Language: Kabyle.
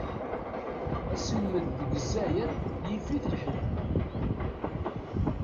Aselmed deg Zzayer, yif-it lḥif.